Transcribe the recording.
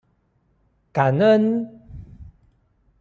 感恩！